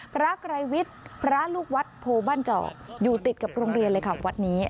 พระไกรวิทย์พระลูกวัดโพบ้านเจาะอยู่ติดกับโรงเรียนเลยค่ะวัดนี้